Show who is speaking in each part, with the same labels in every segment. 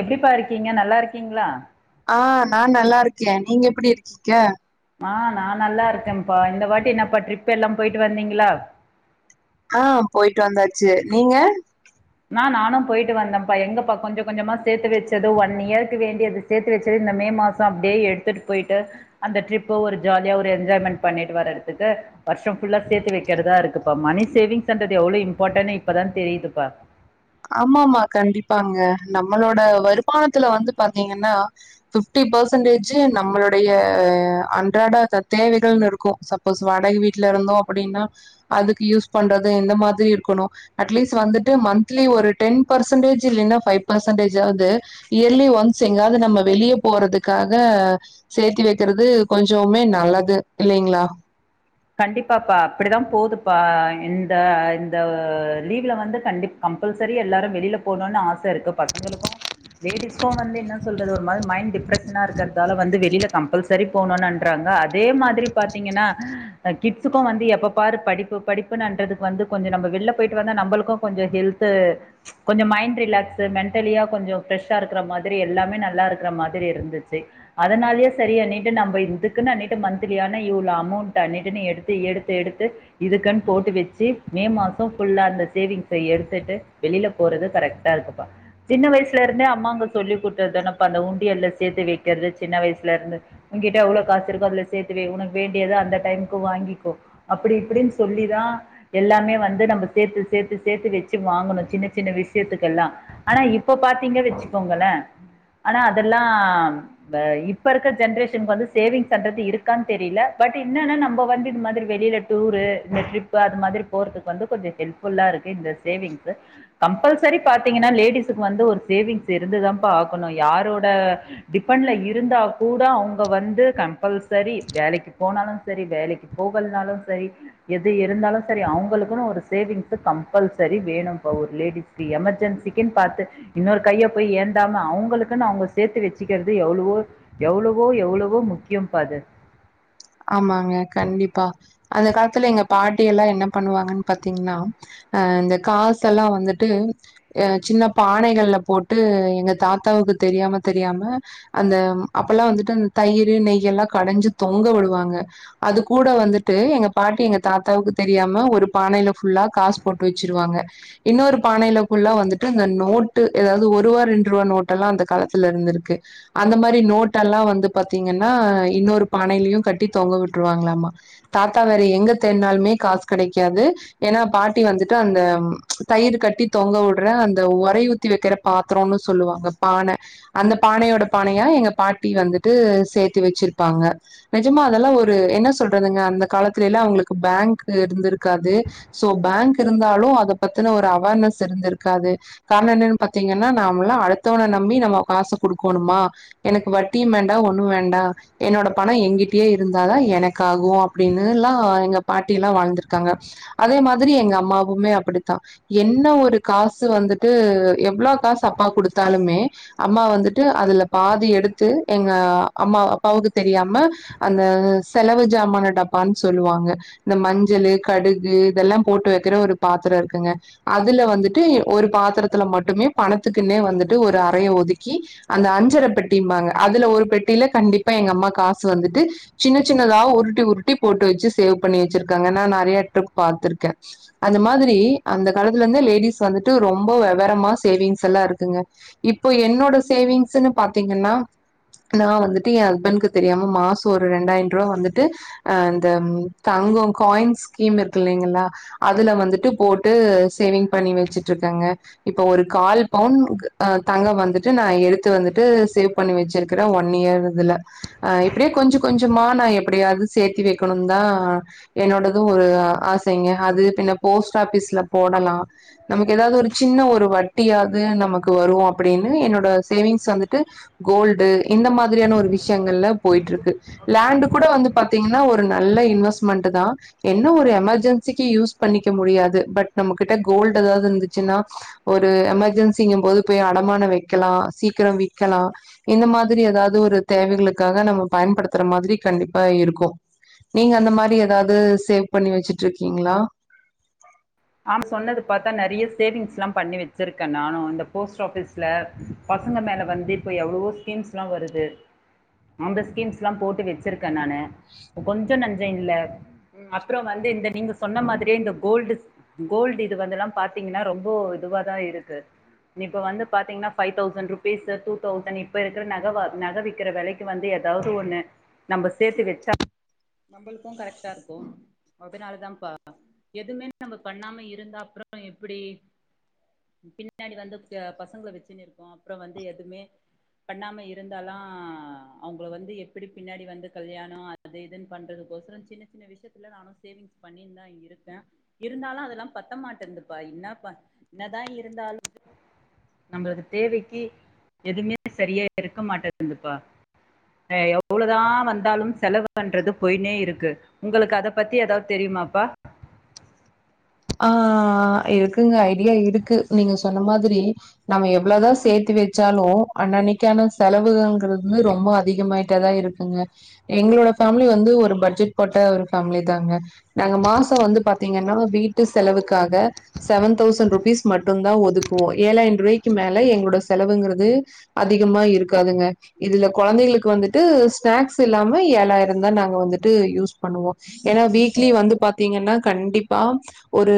Speaker 1: எப்படிப்பா இருக்கீங்க நல்லா இருக்கீங்களா
Speaker 2: ஆ நான நல்லா இருக்கேன் நீங்க எப்டி இருக்கீங்க
Speaker 1: ஆஹ் நான் நல்லா இருக்கேன்ப்பா இந்த வாட்டி என்னப்பா ட்ரிப் எல்லாம் போயிட்டு வந்தீங்களா
Speaker 2: ஆஹ போயிட்டு வந்தாச்சு நீங்க
Speaker 1: நான் நானும் போயிட்டு வந்தேன்ப்பா எங்கப்பா கொஞ்சம் கொஞ்சமா சேர்த்து வச்சது ஒன் இயருக்கு வேண்டியது சேர்த்து வச்சது இந்த மே மாசம் அப்படியே எடுத்துட்டு போயிட்டு அந்த ட்ரிப்பு ஒரு ஜாலியா ஒரு என்ஜாயமென்ட் பண்ணிட்டு வரறதுக்கு வருஷம் ஃபுல்லா சேர்த்து வைக்கிறதா இருக்குப்பா மணி சேவிங்ஸ்ன்றது எவ்வளவு இம்பார்டன்னு இப்போதான் தெரியுதுப்பா
Speaker 2: ஆமாாம கண்டிப்பாங்க நம்மளோட வருமானத்துல வந்து பாத்தீங்கன்னா பிப்டி பெர்சன்டேஜ் நம்மளுடைய அன்றாட தேவைகள்னு இருக்கும் சப்போஸ் வாடகை வீட்டுல இருந்தோம் அப்படின்னா அதுக்கு யூஸ் பண்றது இந்த மாதிரி இருக்கணும் அட்லீஸ்ட் வந்துட்டு ம் இல ஒரு டென் பெர்சன்டேஜ் இல்ன்னா வ் பர்சன்டேஜ்து இயர்லி ஒன்ஸ் எங்காவது நம்ம வெளியே போறதுக்காக சேர்த்தி வைக்கிறது கொஞ்சமே நல்லது இல்லங்களா
Speaker 1: கண்டிப்பாப்பா அப்படிதான் போதுப்பா இந்த இந்த லீவ்ல கணடிப் கம்பல்சரி எல்லாரும் வெளியில போணும்னு ஆசை இருக்கு பசங்களுக்கும் லேடிஸ்கும் வந்து என்ன சொல்றது ஒரு மாதிரி மைண்ட் டிப்ரெஷனா இருக்கறதால வந்து வெளியில கம்பல்சரி போணும்ன்றாங்க அதே மாதிரி பாத்தீங்கன்னா கிட்ஸ்க்கும் வந்து எப்ப பாரு படிப்பு படிப்புன்னுன்றதுக்கு வந்து கொஞ்சம் நம்ம வெளில போயிட்டு வந்தா நம்மளுக்கும் கொஞ்சம் ஹெல்த்து கொஞ்சம் மைண்ட் ரிலாக்ஸ்ு மென்ண்டலியா கொஞ்சம் ஃப்ரெஷ்ஷா இருக்கிற மாதிரி எல்லாமே நல்லா இருக்கிற மாதிரி இருந்துச்சு அதனாலயே சரி அண்ணிட்டு நம்ம இதுக்குன்னு அிட்டு மந்தித்லியான இவ்ளோ அமௌவுட் அட்டு டு எடுத்து எடுத்து எடுத்து இருக்கன் போட்டு வச்சி மே மாசம் புள்ளா அந்த சேவிங்ஸ் எடுத்துட்டு வெளியில போறது கரெக்டா இருக்குபா சின்ன வயசுலேருந்தே அம்மானு சொல்லி குடுத்தெல்லாம் பார்த்தா ஒண்டியல் சேர்த்துவிட்டது சின்ன வயசுலருந்து உன்கிட்ட எவ்ளோ காசுஇருக்கோ அத‌ சேர்த்து வை உனக்கு வேண்டிய அந்த டை அப்படி இப்படனு சொல்லிதான் எல்லாமே வந்து நம்ம சேர்த்து சேர்த்து சேர்த்து வச்சு வாங்கணும் சின்ன சின்ன விஷயத்துக்க எல்லாம் ஆனா இப்ப பாத்தீங்க வச்சுக்கோங்களேன் ஆனா அதெல்லாம் இப்ப இருக்க ஜென்ரேஷனுக்கு இருக்கான்னு தெரியல பட் என் இப்ப வந்து இந்த மாரி வெளியில டூரு இந்த ட அது மாதிரி போறதுக்கு வந்து கொஞ்சம் ஹெல்புல்லா இருக்கு இந்த சேவி்ங்ஸ்சு கம்பல்சரி பாத்தீங்கன்னா லேடிஸ்க்கு வந்து ஒரு சேவிங்ஸ் இருந்துதான் பாக்கணும் யாரோட டிப்பன்ல இருந்தா கூட அவங்க வந்து கம்பல்சரி வேலைக்கு போனாலும் சரி வேலைக்கு போகல்னாலும் சரி எது இருந்தாலும் சரி அவங்களுக்குன்னு ஒரு சேவிங்ஸ் கம்பல்சரி வேணும்ப்பா ஒரு லேடிஸ்க எமர்ஜென்சிக்குன்னு பார்த்து இன்னொரு கைய போய் ஏந்தாம அவங்களுக்குன்னு அவங்க சேர்த்து வச்சுக்கிறது எவ்வளவோ எவ்வளவோ எவ்வளவோ முக்கியம் பா அது
Speaker 2: ஆமா கண்டிப்பா அந்த காலத்துல எங்க பாட்டி எல்லாம் என்ன பண்ணுவாங்கன்னு பாத்தீங்கன்னா அஹ் இந்த காச எல்லாம் வந்துட்டு அஹ் சின்ன பானைகள்ல போட்டு எங்க தாத்தாவுக்கு தெரியாம தெரியாம அந்த அப்பல்லாம் வந்துட்டு அந்த தயிர் நெய்ய எல்லாம் கடைஞ்சு தொங்க விடு அது கூட வந்துட்டு எங்க பாட்டி எங்க தாத்தாவுக்கு தெரியாம ஒரு பானையில்லா புள்ளா காசு போட்டு வச்சிருவாங்க இன்னொரு பானையிலல்ல புள்ளா வந்துட்டு நோட்டு ஏாவது ஒருவா ரெண்டு ரூவா நோட்ட எல்லாம் அந்த காலத்துல இருந்திருக்கு அந்த மாதிரி நோட் எல்லாம் வந்து பாத்தீங்கன்னா இன்னொரு பானையிலையும் கட்ட கட்டி தொங்க விட்டுருவாங்களாமா தாத்தா வேற எங்க தென்னாலுமே காசு கிடைக்காது ஏன்னா பாட்டி வந்துட்டு அந்த தயிர் கட்டி தொங்க விடுற அந்த ஒரை ஊத்தி வைக்கிற பாத்திரம்னு சொல்லுவாங்க பானை அந்த பானையோட பானையா எங்க பாட்டி வந்துட்டு சேர்த்து வச்சிருப்பாங்க நெஜமா அதெல்லாம் ஒரு என்ன சொல்றதுங்க அந்த காலத்தல எல்ல அவங்களுக்கு பேங்க் இருந்து இருக்காது சோ பேங்க் இருந்தாலும் அத பத்தின ஒரு அவர்னஸ் இருந்த இருக்காது காரணம் என்னன்னு பாத்தீங்கன்னா நாமல்லாம் அடுத்தவனை நம்பி நம்ம காசு கொடுக்கணுமா எனக்கு வட்டியும் வேண்டாம் ஒண்ணும் வேண்டாம் என்னோட பணம் எங்கிட்ட இருந்தாதான் எனக்காகும் அப்படின்னு எல்லாம் எங்க பாட்டி எல்லாம் வாழ்ந்திருக்காங்க அதே மாதிரி எங்க அம்மாவுமே அப்படித்தான் என்ன ஒரு காசு வந்துட்டு எவ்வளவு காசு அப்பா கொடுத்தாலுமே அம்மா வந்துட்டு அதுல பாதி எடுத்து எங்க அம்மா அப்பாவுக்கு தெரியாம அந்த செலவு சாமான டப்பான்னு சொல்லுவாங்க இந்த மஞ்சள் கடுகு இததெல்லாம் போட்டு வைக்கிற ஒரு பாத்திரம் இருக்குங்க அதுல வந்துட்டு ஒரு பாத்திரத்துல மட்டுமே பணத்துக்குன்னே வந்துட்டு ஒரு அறைய ஒதுக்கி அந்த அஞ்சரை பெட்டிம்பாங்க அதுல ஒரு பெட்டியில கண்டிப்பா எங்க அம்மா காசு வந்துட்டு சின்ன சின்னதாவா உருட்டி உருட்டி போட்டு வச்சு சேவ் பண்ணி வச்சிருக்காங்க நான் நிறைய ட்ரிப் பா்த்திருக்கேன் அந்த மாதிரி அந்த காலத்துல இருந்து லேடிஸ் வந்துட்டு ரொம்ப விவரமா சேவிங்ஸ் எல்லாம் இருக்குங்க இப்போ என்னோட சேவிங்ஸ்ன்னு பாத்தீங்கன்னா நான் வந்துட்டு என் ஹஸ்பண்ட்கு தெரியாம மாசம் ஒரு ரெண்டாயிரம் ரூபா வந்துட்டு இந்த தங்கம் காயின் ஸ்கீம் இருக்கு இல்லலைங்களா அதுல வந்துட்டு போட்டு சேவிங் பண்ணி வச்சட்டு இருக்கேங்க இப்ப ஒரு கால் பவுண்ட தங்கம் வந்துட்டு நான் எடுத்து வந்துட்டு சேவ் பண்ணி வச்சிருக்கறேன் ஒன் இயர் இதுல இப்படியே கொஞ்சம் கொஞ்சமா நான் எப்படியாவது சேர்த்தி வைக்கணும் தான் என்னோடதும் ஒரு ஆசைங்க அது பின்ன போஸ்ட் ஆஃபிஸ்ல போடலாம் நமக்கு ஏதாவது ஒரு சின்ன ஒரு வட்டியாவது நமக்கு வரும் அப்படின்னு என்னோட சேவிங்ஸ் வந்துட்டு கோல்டு இந்த மாதிரியான ஒரு விஷயங்கள்ல போயிட்டு இருக்கு லேண்டு கூட வந்து பார்த்தீங்கன்னா ஒரு நல்ல இன்வெஸ்ட்மெண்ட் தான் என்ன ஒரு எமர்ஜென்சிக்கு யூஸ் பண்ணிக்க முடியாது பட் நம்ம கிட்ட கோல்டு் ஏதாவது இருந்துச்சுன்னா ஒரு எமர்ஜென்சிங்கும் போது போய் அடமானம் வைக்கலாம் சீக்கிரம் விறக்கலாம் இந்த மாதிரி ஏதாவது ஒரு தேவைகளுக்காக நம்ம பயன்படுத்த மாதிரி கண்டிப்பா இருக்கும் நீங்க அந்த மாதிரி ஏதாவது சேவ் பண்ணி வச்சுட்டு இருக்கீங்களா
Speaker 1: சொன்ன பாத்தா நெறைய சேவிங்ஸ் எல்லாம் பண்ணி வச்சிருக்கேன் நானும் இந்த போஸ்ட் ஆபீஸ்ல பசங்க மேல வந்து இப்ப எவ்ளவோ ஸ்கீம்ஸ் எல்லாம் வருது அந்த ஸ்கீம்ஸ் எல்லாம் போட்டு வச்சிருக்கேன் நானு கொஞ்சம் நெஞ்சம் இல்ல அப்புறம் வந்து இந்த நீங்க சொன்ன மாதிரியே இந்த கோல்டு கோல்டு இதுவந்தலாம் பாத்திரங்கன ரொம்ப இதுவ தான் இருக்கு இப்ப வந்து பாத்திங்கன ஃபைவ்தவுஸ்சன் ருப்பிஸ் டூத்வுஸ்சன் இப்ப இருக்கிற நகைவிக்கிறக்கு விலைக்கு எதாவது ஒன்னு ந நம்ம சேர்த்து வச்சாலும் நம்மளுக்கும் கரெக்ட்டா இருக்கும் அதனாலதபா எதுமே பண்ணாம இருந்தா அப்புறம் எப்படி பின்னாடி வந்து பசங்களை வச்சுன்ன இருக்கோம் அப்புறம் வந்து எதுவுமே பண்ணாம இருந்தாலாம் அவங்க வந்து எப்படி பின்னாடி வந்து கல்யாணம் அது இதுன்னு பண்றதுக்கோசரம் சின்ன சின்ன விஷயத்துல நானும் சேவிங்ஸ் பண்ணி தான் இருக்கேன் இருந்தாலும் அததெல்லாம் பத்த மாட்டேதுபா என்னப்ப என்னதான் இருந்தாலும் நம்மளுக்கு தேவைக்கு எதுவுமே சரியா இருக்க மாட்டேதுபா எவ்வளவுதான் வந்தாலும் செலவுன்றது போயனே இருக்கு உங்களுக்கு அத பத்தி ஏதாவது தெரியுமாப்பா
Speaker 2: ஆஹ் இருக்குங்க ஐடியா இருக்கு நீங்க சொன்ன மாதிரி நம்ம எவ்வளவுதா சேத்து வச்சாலு அன்னன்னைக்கான செலவுகள்ங்கிறது ரொம்ப அதிகமாயிட்டேதா இருக்குங்க எங்களோட ஃபேமிலி வந்து ஒரு பட்ஜெட் போட்ட ஒரு ஃபேமிலி தாங்க நாங்க மாச வந்து பாத்தீங்கன்னா வீட் செலவுக்காக செவன் தௌசண்ட் ருபீஸ் மட்டும தான் ஒதுக்குவோம் ஏழாயிரம் ரூபாய்க்கு மேல எங்களோட செலவுங்கறது அதிகமா இருக்காதுங்க இதுல கெழந்தைகளுக்கு வந்துட்டு ஸ்நாக்ஸ் இல்லாம ஏழாயிரம் தான் நாங்க வந்துட்டு யூஸ் பண்ணுவோம் ஏன்னா வீக்லி வந்து பா்த்தீங்கன்னா கண்டிப்பா ஒரு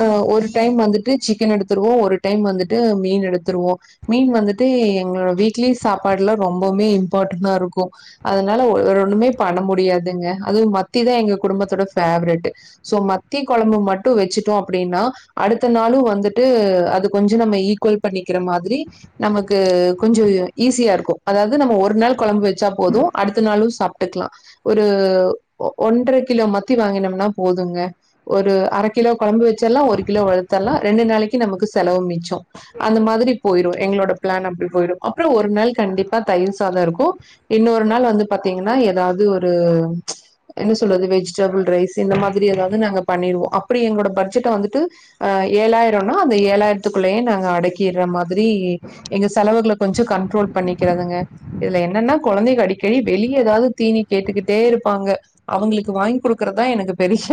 Speaker 2: ஆ ஒரு டைம் வந்துட்டு சிக்கன் எடுத்துருவோ ஒரு டைம் வந்துட்டு மீன் எடுத்துருவோ மீன் வந்துட்டு எங்களோட வீக்லி சாப்பாடுல ரொம்பவுமே இம்பார்ட்டன்ட்டா இருக்கு அதனால வேற ஒண்ணுமே பண்ண முடியாதுங்க அதும் மத்திதா எங்க குடும்பத்தோட ஃபேவரட் சோ மத்தி கொழம்பு மட் ட்டு வச்சுட்டோ அப்டின்னா அடுத்த நாளும் வந்துட்டு அது கொஞ்ச நம்ம ஈக்குவல் பண்ணிக்கிற மாதிரி நமக்கு கொஞ்ச ஈஸியா இருக்கு அதாவது நம்ம ஒரு நாள் கொழம்பு வச்சா போது அடுத்த நாளும் சாப்ட்டுக்கலா ஒரு ஒ ஒன்ர கிலோ மத்தி வாங்கினோம்னா போதுங்க ஒரு அரைக் கிலோ குழம்பு வச்சிடலாம் ஒரு கிலோ வளுத்தர்லாம் ரெண்டு நாளைக்கு நமக்கு செலவு மிச்சம் அந்த மாரி போயிடும் எங்களோட பிளான் அப்டி போயிடும் அப்பறம் ஒரு நாள் கண்டிப்பா தயிர் சாதம் இருக்கும் இன்னொரு நாள் வந்து பாத்தீங்கன்னா ஏதாவது ஒரு என்ன சொல்றது வெஜிடபிள் ரைஸ் இந்த மாரி ஏதாவது நாங்கள் பண்ணிருவோம் அப்டி எங்களோட பட்ஜெட்ட வந்துட்டு அ ஏழாயிரம்னா அந்த ஏழாயிரத்துக்குள்ளேயே நாங்க அடக்கிடுற மாதிரி எங்க செலவுகளை கொஞ்சம் கண்ட்ரோல் பண்ணிக்கிறதுங்க இதுல என்னன்னா கெழந்தை அடிக்கடி வெளிய ஏதாவது தீனி கேட்டுக்கிட்டே இருப்பாங்க அவங்களுக்கு வாங்கி கொடுக்கறதான் எனக்கு பெரிய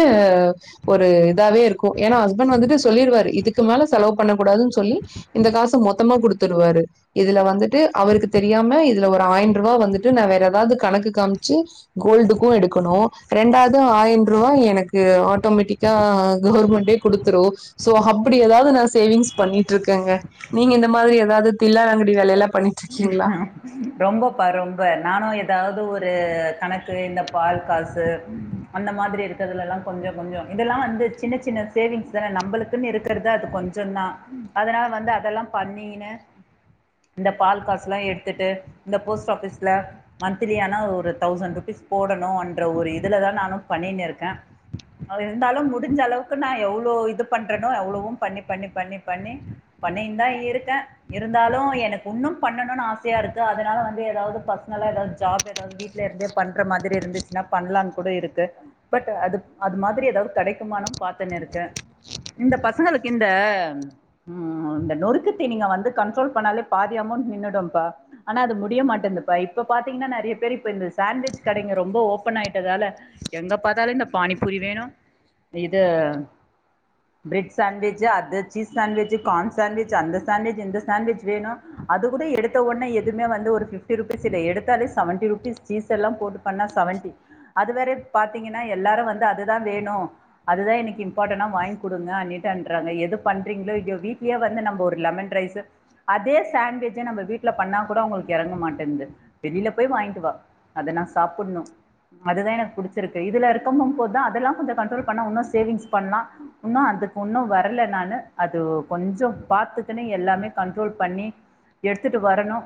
Speaker 2: ஒரு இதாவே இருக்கும் ஏன்னா ஹஸ்பண்ட் வந்துட்டு சொல்லிருவாரு இதுக்கு மேல செலவு பண்ணக் கூடாதுன்னு சொல்லி இந்த காசு மொத்தமா குடுத்துடுவாரு இதுல வந்துட்டு அவருக்கு தெரியாம இதுல ஒரு ஆயரன்ரூவா வந்துட்டு நா வேற ஏதாவது கணக்கு காமிச்சு கோல்டுக்கு எடுக்கணு ரெண்டாவது ஆயிரன்ரூவா எனக்கு ஆட்டோமேட்டிக்கா ஆ கவர்மெண்டே குடுத்துரு சோ ஹப்டி ஏதாவது நா சேவிங்ஸ் பண்ணிட்ருக்கேங்க நீங்க இந்த மாரி ஏதாவது தில்லாலங்கடி வேலையெல்லா பண்ணி
Speaker 1: ரொம்பப்பா ரொம்ப நானும் ஏதாவது ஒரு இது கணக்கு இந்த பால் காசு அந்த மாதிரி இருக்கிறதுல எல்லா கொஞ்ச கொஞ்ச இதெல்லா வந்து சின்ன சின்ன சேவிங்ஸ்தான நம்பளுக்குன்னு இருக்கறதே அது கொஞ்சந்தா அதனால வந்து அதெல்லா பண்ணினு இந்த பால் காசல்லா எடுத்துட்டு இந்த போஸ்ட் ஃஆபீஸ்ல மன்த்லி ஆனா ஒரு தௌசண்ட் ருபீஸ் போடணும்ன்ற ஒரு இதுலதா நானும் பண்ணினு இருக்கே அது இருந்தாலு முடிஞ்ச அளவுக்கு நா எவ்ளோ இது பண்றனோ அவ்ளவும் பண்ணி பண்ணி பண்ணி பண்ணி பண்ணினுதா இருக்கே இருந்தாலு எனக் ஒன்னும் பண்ணணும்னு ஆசையா இருக்கு அதனால வந்து ஏதாவது பசனலா ஏதாவது ஜாப் ஏதாவது வீட்டுல இருந்த பண்ற மாரி இருந்துச்சுன்னா பண்ணலாம்னு கூட இருக்கு பட் அது அது மாரி ஏதாவது கெடைக்குமனு பாத்தன்னு இருக்குே இந்த பசங்களுக்கு இந்த நொறுக்கத்தை நீங்க வந்து கண்ட்ரோல் பண்ணாலே பாதி அமௌண்ட்ன்டும்ப்பா ஆனா அது முடிய மாட்டேந்தப்பா இப்போ பாத்தீங்கன்னா நெறைய பேர் இப்போ இந்த சாண்ட்விச் கடங்க ரொம்ப ஓபன் ஆயிட்டதால எங்க பாத்தாலும் இந்த பானிபூரி வேணும் இது பிரெட் சாண்ட்விட்சு அது சீஸ் சாண்ட்விட்சு கான் சாண்ட்விச் அந்த சாண்ட்விச் இந்த சாண்ட்விச் வேணும் அதுட எடுத் அதுங்கா எல்லாரும் வந்து அதுதான் வேணும் அதுான் எனாரங்க பண் வீ வந்து ந ஒருலெமன் ே [unintelligible] சாண்ட்விஜ்ஜ நம்ம வீட்டுல பண்ணா கூட உங்களுக்கு இறங்க மாட்டேன்து வெளியில போய் வாங்கிட்டு வா அத நான் சாப்படணும் அதுதான் எனக்கு பிடிச்சிருக்கு இதுல இருக்கம போதுதான் அதெல்லாம் கொஞ்சம் கண்ட்ரோல் பண்ணா இன்னும் சேவிங்ஸ் பண்ணலாம் இன்னும் அதுக்கு ஒன்னும் வரலை நான அது கொஞ்சம் பாத்துக்கன்னு எல்லாமே கண்ட்ரோல் பண்ணி எடுத்துட்டு வரணு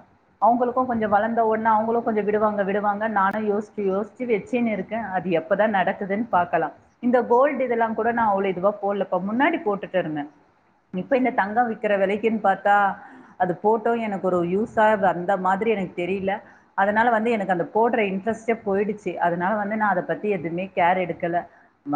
Speaker 1: அவங்களுக்கும் கொஞ்ச வளந்த உடனே அவங்களு கொஞ்ச விடுவாங்க விடுவாங்கன்னு நானும் யோசிச்சு யோசிச்சு வச்சுனு இருக்கே அது எப்பதா நடக்குதுன்னு பாக்கலா இந்த கோல்டு் இதெல்லாங் கூட நா அவ்ளோ இதுவா போடலப்பா முன்னாடி போட்டுட்டு இருந்தே இப்ப இந்த தங்கம் விக்கிற விலைக்குன்னு பாத்தா அது போட்டோம் எனக்கு ஒரு யூஸாக வந்த மாரி எனக்கு தெரியல அதனால வந்து எனக்கு அந்த போடுற இன்ட்ரெஸ்ட்டே போயிடுச்சு அதனால வந்து நான் அதை பத்தி எதுவுமே கேர் எடுக்கல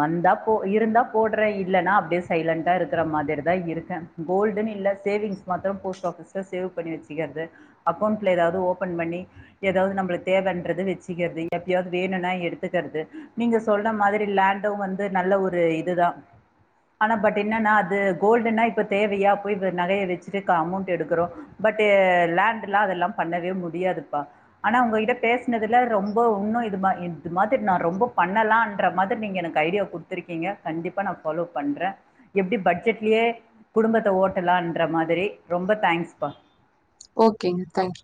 Speaker 1: வந்தா போ இருந்தா போடுறேன் இல்லன்னா அப்டியே சைலண்டட்டா இருக்கிற மாரி தான் இருக்கேன் கோல்டுன்னு இல்ல சேவிங்ஸ் மாத்திரம் போஸ்ட் ஆஃபீஸ் [unintelligible] சேவ் பண்ணி வச்சிக்கிறது அக்கவுண்ட்ல ஏதாவது ஓபன் பண்ணி ஏதாவது நம்மளுக்கு தேவைன்றது வச்சிக்கிறது எப்பயாவது வேணும்னா எடுத்துக்கிறது நீங்க சொல்ற மாதிரி லேண்டும் வந்து நல்ல ஒரு இதுதா ஆனா பட் என்னன்னா அது கோல்டுனா இப்ப தேவையா போய் நகைய வச்சிட்டு அமௌண்ட் எடுக் [inaudible] பட் லேண்ட்ல்லாம் அதெல்லாம் பண்ணவே முடியாதுப்பா ஆனா உங்க கிட்ட பேசினதுல ரொம்ப இன்னும் இதுமாதிரி நாரொம்ப பண்ணலாம்ன்ற மாதிரி நீங்க எனக்கு ஐடியா குடுத்துருக்கீங்க கண்டிப்பா நா ஃபாலோ பண்றன் எப்படி பட்ஜெட்லயே குடும்பத்தை ஓட்டலாம்ன்ற மாதிரி ரொம்ப தேங்க்ஸ் ஷ்பா
Speaker 2: ஓகேங்க தேங்க்